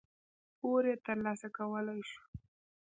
پور یې ترلاسه کولای شو.